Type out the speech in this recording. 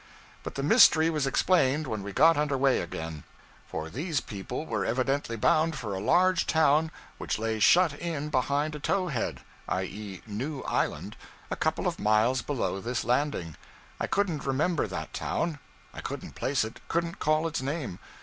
But the mystery was explained when we got under way again; for these people were evidently bound for a large town which lay shut in behind a tow head (i.e., new island) a couple of miles below this landing. I couldn't remember that town; I couldn't place it, couldn't call its name.